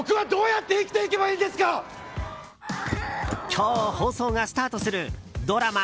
今日放送がスタートするドラマ